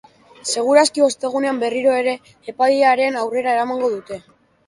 Segur aski, ostegunean berriro ere epailearen aurrera eramango dute.